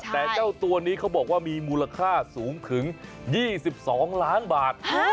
แต่เจ้าตัวนี้เขาบอกว่ามีมูลค่าสูงถึง๒๒ล้านบาท